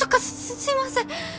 すいません！